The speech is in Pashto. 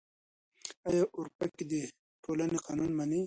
آيا اورپکي د ټولنې قانون مني؟